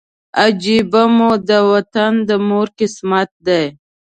عجیبه مو د وطن د مور قسمت دی